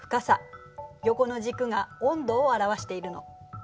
横の軸が温度を表しているの。